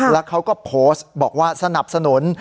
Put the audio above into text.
แล้วเขาก็โพสต์บอกว่าสนับสนุน